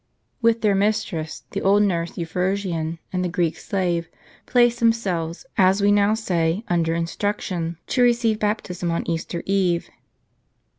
With their mistress, the old nurse, Euphrosyne, and the Greek slave, placed themselves, as we now say, under instruc tion, to receive baptism on Easter eve.